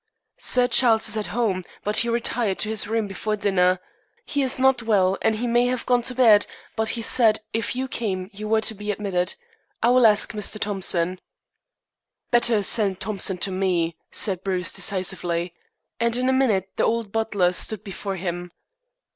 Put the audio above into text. "Sir Charles is at home, but he retired to his room before dinner. He is not well, and he may have gone to bed, but he said that if you came you were to be admitted. I will ask Mr. Thompson." "Better send Thompson to me," said Bruce decisively; and in a minute the old butler stood before him.